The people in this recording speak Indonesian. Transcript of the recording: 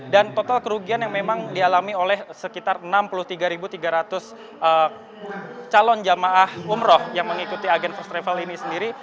dan total kerugian yang memang dialami oleh sekitar enam puluh tiga tiga ratus calon jamaah umroh yang mengikuti agen first travel ini sendiri